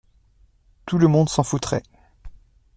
tout le monde s’en foutrait…